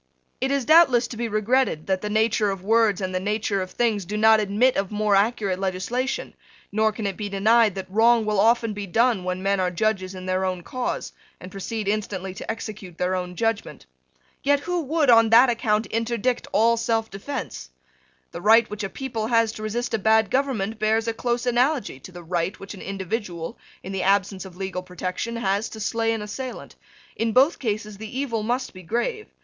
It is doubtless to be regretted that the nature of words and the nature of things do not admit of more accurate legislation: nor can it be denied that wrong will often be done when men are judges in their own cause, and proceed instantly to execute their own judgment. Yet who would, on that account, interdict all selfdefence? The right which a people has to resist a bad government bears a close analogy to the right which an individual, in the absence of legal protection, has to slay an assailant. In both cases the evil must be grave.